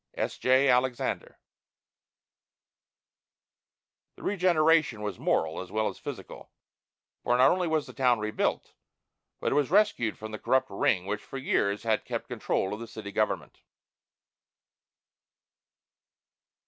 S. J. ALEXANDER. The regeneration was moral as wall as physical, for not only was the town rebuilt, but it was rescued from the corrupt ring which, for years, had kept control of the city government.